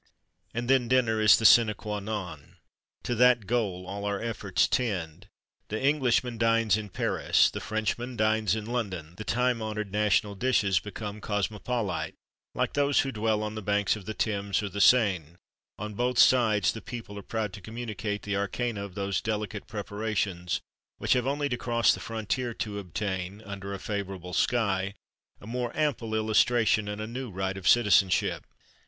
And then dinner is the sine quâ non, to that goal all our efforts tend. The Englishman dines in Paris, the Frenchman dines in London; the time honoured national dishes become cosmopolite, like those who dwell on the banks of the Thames or the Seine; on both sides the people are proud to communicate the arcana of those delicate preparations, which have only to cross the frontier to obtain, under a favourable sky, a more ample illustration and a new right of citizenship.